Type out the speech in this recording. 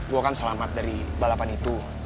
gue kan selamat dari balapan itu